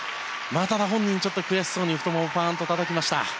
ただ本人は悔しそうに太ももをパンとたたきました。